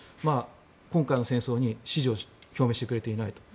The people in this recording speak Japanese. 今回の戦争に支持を表明してくれていないと。